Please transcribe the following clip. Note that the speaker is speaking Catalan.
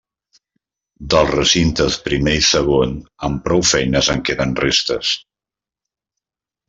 Dels recintes primer i segon, amb prou feines en queden restes.